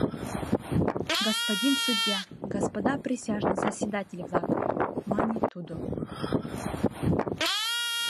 — Господин судья, господа присяжный заседатель-влак, — мане тудо.